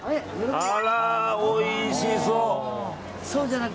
あら、おいしそう。